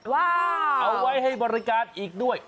เอาไว้ให้บริการอีกด้วย